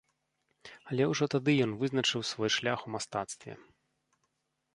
Але ўжо тады ён вызначыў свой шлях у мастацтве.